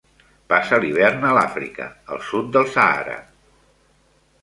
Passa l'hivern a l'Àfrica, al sud del Sàhara.